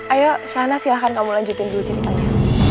ayo sana silahkan kamu lanjutin dulu ceritanya